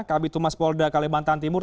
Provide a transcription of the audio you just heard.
kami tumas polda kalimantan timur